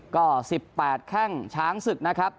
ก็สิบแปดแค่งช้างศึกนะครับ